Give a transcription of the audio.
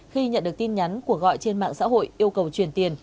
khi nhận được tin nhắn của gọi trên mạng xã hội yêu cầu chuyển tiền